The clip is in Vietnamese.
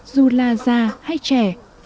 dù là già hay trẻ